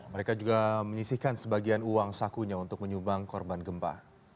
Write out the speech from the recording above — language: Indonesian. mereka juga menyisihkan sebagian uang sakunya untuk menyumbang korban gempa